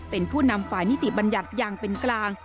เป็นผู้นำฝ่ายนิติบัญญัติอย่างเป็นกลาง